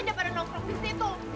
lala nggak boleh sedih